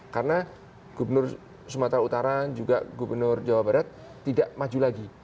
karena gubernur sumatera utara juga gubernur jawa barat tidak maju lagi